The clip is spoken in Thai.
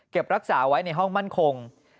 รักษาไว้ในห้องมั่นคง